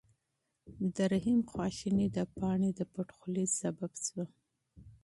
د رحیم غوسه د پاڼې د خاموشۍ سبب شوه.